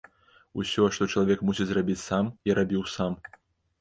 Усё, што чалавек мусіць зрабіць сам, я рабіў сам.